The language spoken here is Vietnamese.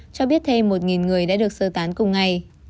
cho biết thêm một người đã được sơ tán cùng ngày